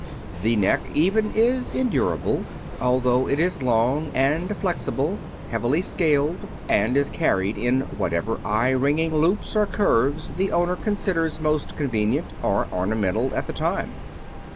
The neck, even, is endurable, although it is long and flexible, heavily scaled, and is carried in whatever eye wringing loops or curves the owner considers most convenient or ornamental at the time.